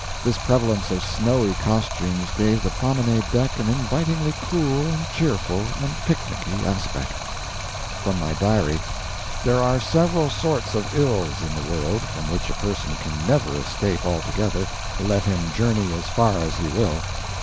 This prevalence of snowy costumes gave the promenade deck an invitingly cool, and cheerful and picnicky aspect. From my diary: There are several sorts of ills in the world from which a person can never escape altogether, let him journey as far as he will.